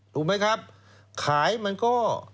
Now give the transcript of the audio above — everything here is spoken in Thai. ถูกไหมครับขายมันก็